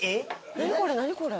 何これ何これ。